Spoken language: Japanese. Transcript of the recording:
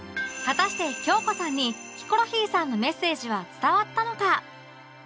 果たして京子さんにヒコロヒーさんのメッセージは伝わったのか？